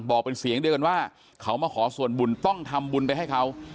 บอกเป็นเสียงเดียวกันว่าเขามาขอส่วนบุญต้องทำบุญไปให้เขา